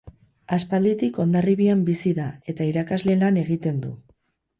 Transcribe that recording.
Aspalditik Hondarribian bizi da, eta irakasle lan egiten du.